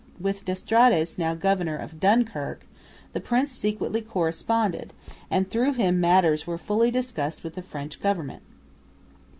With d'Estrades, now Governor of Dunkirk, the prince secretly corresponded, and through him matters were fully discussed with the French Government.